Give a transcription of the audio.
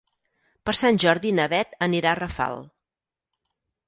Per Sant Jordi na Beth anirà a Rafal.